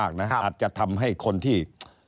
อาจจะทำให้คนที่